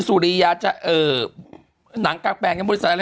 สุริยาจันทราทองเป็นหนังกลางแปลงในบริษัทอะไรนะครับ